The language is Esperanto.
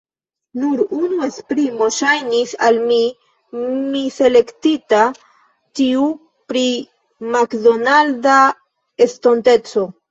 Nur unu esprimo ŝajnis al mi miselektita: tiu pri makdonalda estonteco.